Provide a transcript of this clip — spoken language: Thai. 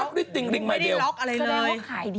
ไม่ได้ล็อกอะไรเลย